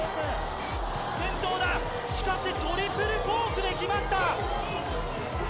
転倒だしかしトリプルコークできました！